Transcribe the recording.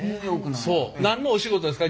何のお仕事ですか？